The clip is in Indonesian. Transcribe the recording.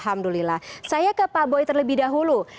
alhamdulillah saya ke pak boy terlebih dahulu